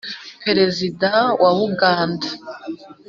perezida wa uganda